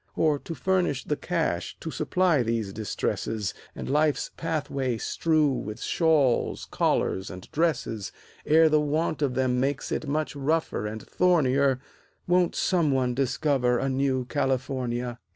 Or, to furnish the cash to supply these distresses, And life's pathway strew with shawls, collars and dresses, Ere the want of them makes it much rougher and thornier, Won't some one discover a new California?